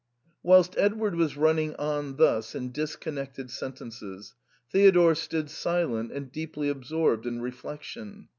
Whilst Edward was running on thus in disconnected sentences, Theodore stood silent and deeply absorbed in reflection.